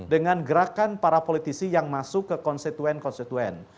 dengan gerakan para politisi yang masuk ke konstituen konstituen